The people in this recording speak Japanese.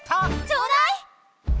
ちょうだい！